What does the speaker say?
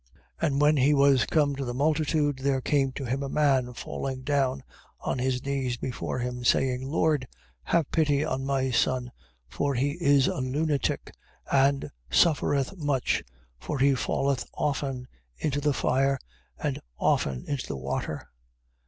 17:14. And when he was come to the multitude, there came to him a man falling down on his knees before him saying: Lord, have pity on my son, for he is a lunatic, and suffereth much: for he falleth often into the fire, and often into the water.